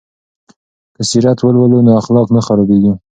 که سیرت ولولو نو اخلاق نه خرابیږي.